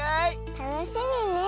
たのしみねえ。